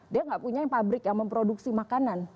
dia gak punya yang pabrik yang memproduksi makanan